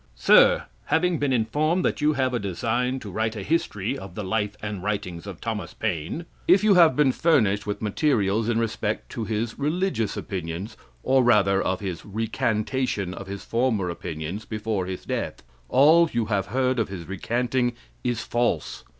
Sir: Having been informed that you have a design to write a history of the life and writings of Thomas Paine, if you have been furnished with materials in respect to his religious opinions, or rather of his recantation of his former opinions before his death, all you have heard of his recanting is false.